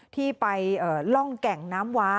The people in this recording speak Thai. ที่ไปล่องแก่งน้ำว้า